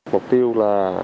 mục tiêu là